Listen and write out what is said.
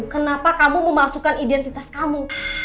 kenapa kamu memasukkan identitas kamu